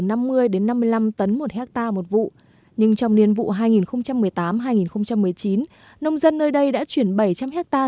tấn một hectare một vụ nhưng trong niên vụ hai nghìn một mươi tám hai nghìn một mươi chín nông dân nơi đây đã chuyển bảy trăm linh hectare